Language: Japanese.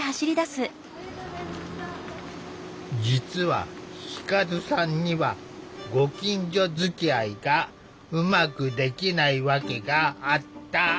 実は輝さんにはご近所づきあいがうまくできない訳があった。